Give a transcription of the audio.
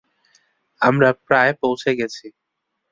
আমরা প্রায় পৌঁছে গেছি!